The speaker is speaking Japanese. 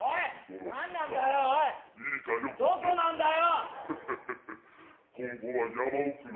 どこなんだよ！